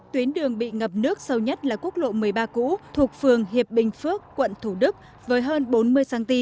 tuyến đường bị ngập nước sâu nhất là quốc lộ một mươi ba cũ thuộc phường hiệp bình phước quận thủ đức với hơn bốn mươi cm